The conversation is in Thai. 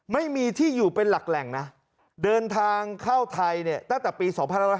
ไม่มีที่อยู่เป็นหลักแหล่งนะเดินทางเข้าไทยเนี่ยตั้งแต่ปี๒๕๕๙